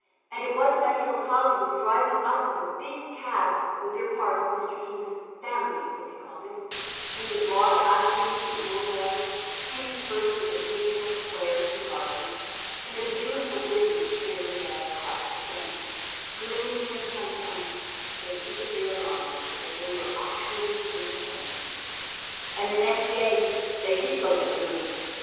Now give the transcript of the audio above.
And it wasn't until Polly was driving up in the big cab with her part of Mr. King's "family," as he called it, through the broad avenues and boulevards, interspersed with occasional squares and gardens, and the beautiful bridges here and there across the Seine, gleaming in the sunshine, that she could realise that they were actually in Paris. And the next day they did go to the Louvre.